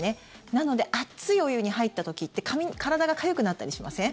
なので熱いお湯に入った時って体がかゆくなったりしません？